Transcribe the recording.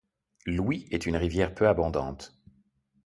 L'Ouï est une rivière peu abondante.